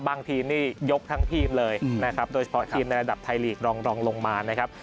บางทีมนี่ยกทั้งทีมเลยนะครับโดยเฉพาะทีมในระดับไทยลีกรองรองลงมานะครับ